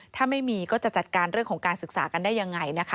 ถ้าไม่มีก็จะจัดการเรื่องของการศึกษากันได้ยังไงนะคะ